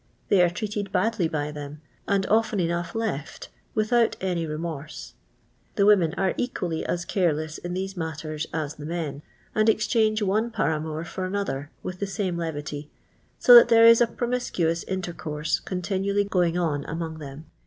They ' are treated badly by thi>m, and often enough lett ! without any rcniorM*. Tlie wonitm are equally as ! i arrlcss in thcso matters as the men, and exchange i 0111' paramour for another with the Simie levity, so thai there is a promiscuous intercourse con tinually going on among them.